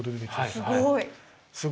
すごい。